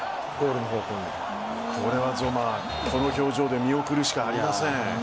この表情で見送るしかありません。